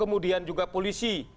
kemudian juga polisi